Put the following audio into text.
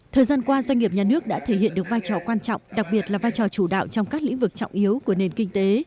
thời gian qua doanh nghiệp nhà nước đã thể hiện được vai trò quan trọng đặc biệt là vai trò chủ đạo trong các lĩnh vực trọng yếu của nền kinh tế